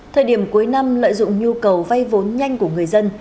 thời điểm cuối năm lợi dụng nhu cầu vay vốn nhanh của người dân